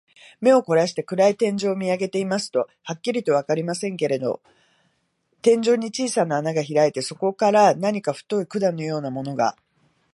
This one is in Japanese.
目をこらして、暗い天井を見あげていますと、はっきりとはわかりませんけれど、天井に小さな穴がひらいて、そこから何か太い管のようなものが、